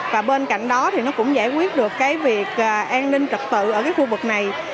và bên cạnh đó thì nó cũng giải quyết được cái việc an ninh trật tự ở cái khu vực này